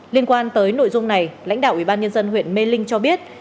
liên quan tới nội dung này lãnh đạo ubnd huyện mê linh cho biết